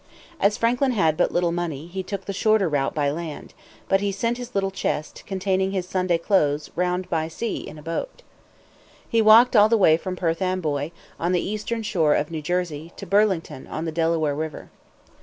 As Franklin had but little money, he took the shorter route by land; but he sent his little chest, containing his Sunday clothes, round by sea, in a boat. He walked all the way from Perth Amboy, on the eastern shore of New Jersey, to Burlington, on the Delaware river.